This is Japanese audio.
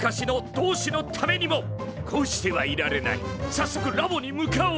さっそくラボに向かおう！